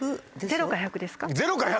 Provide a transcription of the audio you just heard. ０か１００ですって。